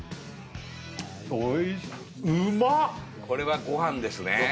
これはご飯ですね